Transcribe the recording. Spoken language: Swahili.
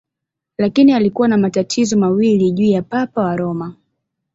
Lakini alikuwa na matatizo mawili juu ya Papa wa Roma.